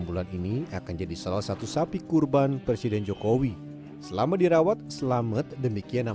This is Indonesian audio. bulan ini akan jadi salah satu sapi kurban presiden jokowi selama dirawat selamet demikian yang